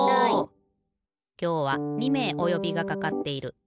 きょうは２めいおよびがかかっている。